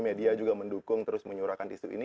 media juga mendukung terus menyurahkan isu ini